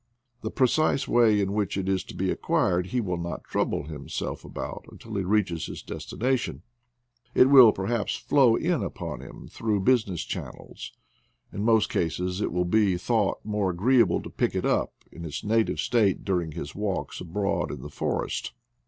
The precise way in which it is to be acquired he will not trouble himself about until he reaches his destination. It will per haps flow in upon him through business channels; in most cases it will be thought more agreeable to 82 IDLE DAYS IN PATAGONIA pick it up in its native state during his walks abroad in the forest.